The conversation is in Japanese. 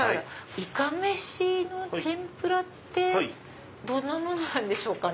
イカメシの天ぷらってどんなもんなんでしょうか？